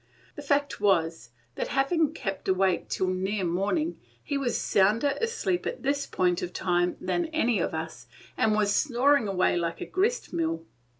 The fact was that, having kept awake till near morning, he was sounder asleep at this point of time than any of us, and was snoring away like a grist mill.